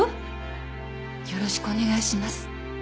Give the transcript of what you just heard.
よろしくお願いします。